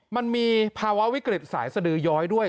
มันมีภาวะวิกฤตสายสดือย้อยด้วย